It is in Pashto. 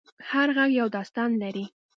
هر غږ یو داستان لري.